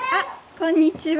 こんにちは。